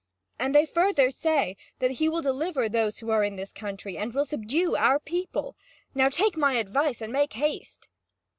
And they further say that he will deliver those who are in this country, and will subdue our people. Now take my advice and make haste!"